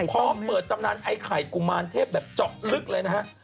พร้อมเปิดตำนานไอ้ไข่กุมารเทพแบบเจาะลึกเลยนะฮะ